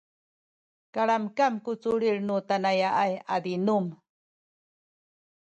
kalamkam ku culil nu tanaya’ay a zinum